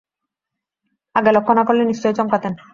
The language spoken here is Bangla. আগে লক্ষ না-করলে নিশ্চয়ই চমকাতেন।